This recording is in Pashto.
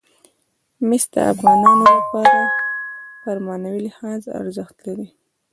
مس د افغانانو لپاره په معنوي لحاظ ارزښت لري.